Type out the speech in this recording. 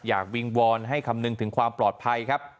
วิงวอนให้คำนึงถึงความปลอดภัยครับ